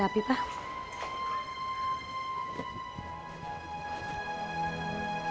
darah api pak